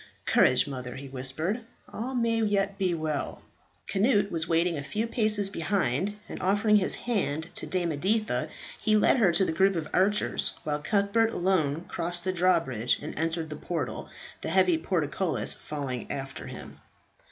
"Courage, mother!" he whispered; "all may yet be well." Cnut was waiting a few paces behind, and offering his hand to Dame Editha, he led her to the group of archers, while Cuthbert, alone, crossed the drawbridge, and entered the portal, the heavy portcullis falling after him.